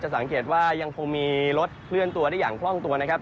สังเกตว่ายังคงมีรถเคลื่อนตัวได้อย่างคล่องตัวนะครับ